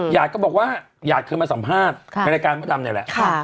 หยาดเคยมาสัมภาษณ์ในรายการประดำเนี่ยแหละ